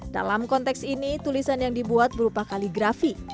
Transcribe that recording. dalam konteks ini tulisan yang dibuat berupa kaligrafi